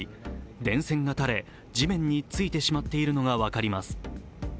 電線がたれ、地面についてしまっているのが分かります。